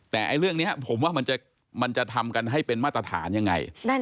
แต่เรื่องนี้ผมว่ามันจะทำกันให้เป็นมาตรฐานยังไง